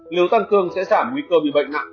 nếu tăng cường sẽ giảm nguy cơ bị bệnh nặng